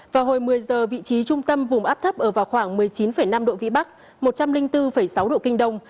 vào hồi một mươi giờ vị trí trung tâm vùng áp thấp ở vào khoảng một mươi chín năm độ vĩ bắc một trăm linh bốn sáu độ kinh đông